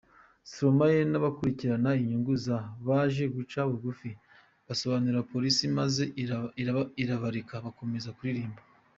Stromae n’abakurikirana inyungu ze baje guca bugufi basobanurira polisi maze irabareka bakomeza kuririmba.